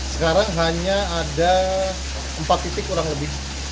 sekarang hanya ada empat titik kurang lebih